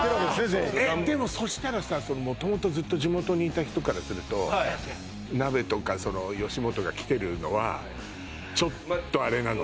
全員えっでもそしたらさその元々ずっと地元にいた人からするとナベとかそのよしもとが来てるのはちょっとあれなのね